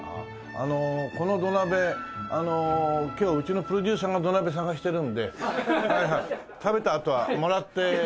この土鍋あの今日うちのプロデューサーが土鍋探してるんで食べたあとはもらって帰りたい。